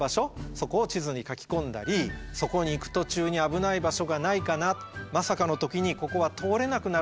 そこを地図に書き込んだりそこに行く途中に危ない場所がないかなまさかの時にここは通れなくなる場所はないかなとかね